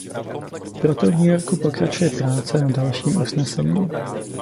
Proto v New Yorku pokračuje práce na dalším usnesení.